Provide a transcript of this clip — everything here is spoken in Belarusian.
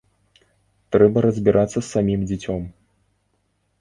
Трэба разбірацца з самім дзіцём.